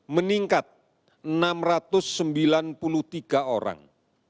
meningkat enam ratus sembilan puluh tiga orang